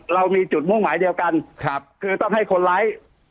เรามีจุดมุ่งหมายเดียวกันคือต้องให้คนร้าย